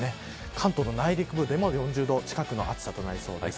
関東の内陸部でも４０度近い暑さとなりそうです。